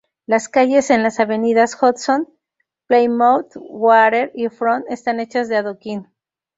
Las calles en la avenidas Hudson, Plymouth, Water y Front están hechas de adoquín.